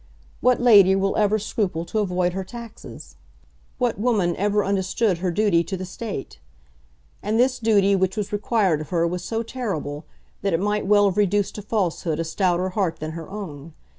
What lady will ever scruple to avoid her taxes? What woman ever understood her duty to the State? And this duty which was required of her was so terrible, that it might well have reduced to falsehood a stouter heart than her own.